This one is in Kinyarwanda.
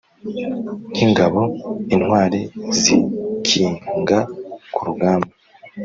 nk’ingabo intwari zikinga ku rugamba.